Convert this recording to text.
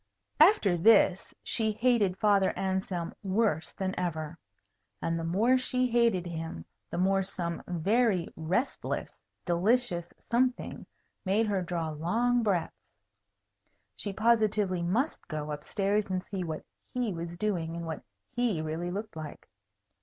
After this, she hated Father Anselm worse than ever. And the more she hated him, the more some very restless delicious something made her draw long breaths. She positively must go up stairs and see what He was doing and what He really looked like.